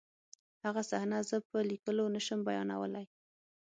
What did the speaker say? هغه صحنه زه په لیکلو نشم بیانولی